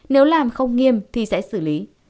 nếu làm không nghiêm thì sẽ xử lý